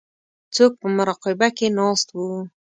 څوک په مراقبه کې ناست وو.